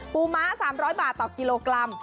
ม้า๓๐๐บาทต่อกิโลกรัม